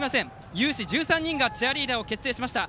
有志１３人がチアリーダーを結成しました。